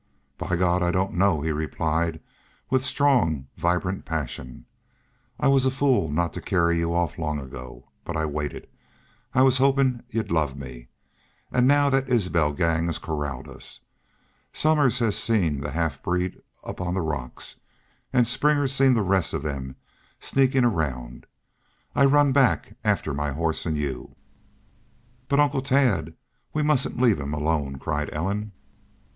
"By God! I don't know," he replied, with strong, vibrant passion. "I was a fool not to carry y'u off long ago. But I waited. I was hopin' y'u'd love me! ... An' now that Isbel gang has corralled us. Somers seen the half breed up on the rocks. An' Springer seen the rest of them sneakin' around. I run back after my horse an' y'u." "But Uncle Tad! ... We mustn't leave him alone," cried Ellen.